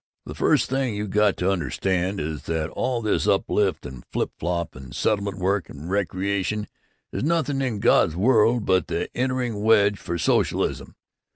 The first thing you got to understand is that all this uplift and flipflop and settlement work and recreation is nothing in God's world but the entering wedge for socialism.